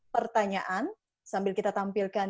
pertanyaan sambil kita tampilkan